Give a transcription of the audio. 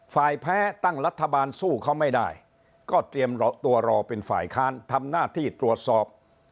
แพ้ตั้งรัฐบาลสู้เขาไม่ได้ก็เตรียมตัวรอเป็นฝ่ายค้านทำหน้าที่ตรวจสอบ